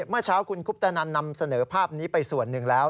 เมื่อเช้าคุณคุปตนันนำเสนอภาพนี้ไปส่วนหนึ่งแล้ว